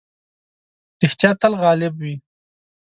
رښتيا تل غالب وي.